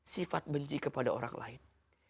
sifat benci kepada orang lain